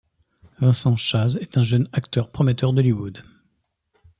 Vincent Chase est un jeune acteur prometteur d'Hollywood.